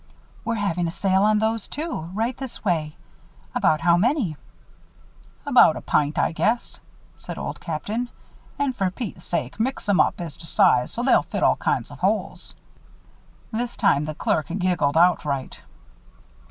"We're having a sale on those, too. Right this way. About how many?" "About a pint, I guess," said Old Captain. "And for Pete's sake mix 'em up as to sizes so they'll fit all kinds of holes." This time the clerk giggled outright.